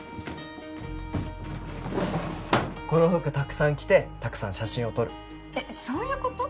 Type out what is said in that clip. この服たくさん着てたくさん写真を撮るえっそういうこと？